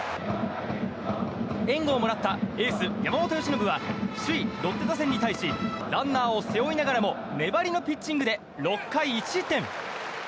援護をもらったエース山本由伸は首位ロッテ打線に対しランナーを背負いながらも粘りのピッチングで６回１失点！